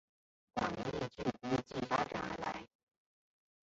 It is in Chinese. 广义矩估计发展而来。